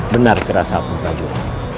benar firasa apungklajur